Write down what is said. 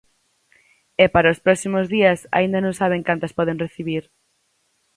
E para os próximos días aínda non saben cantas poden recibir.